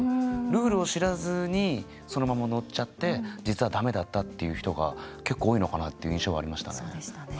ルールを知らずにそのまま乗っちゃって実は駄目だったっていう人が結構多いのかなっていう印象はありましたね。